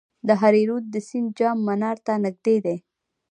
د هریرود سیند د جام منار ته نږدې دی